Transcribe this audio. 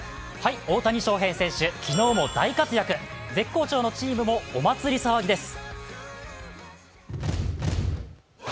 大谷翔平選手、昨日も大活躍絶好調のチームもお祭り騒ぎです。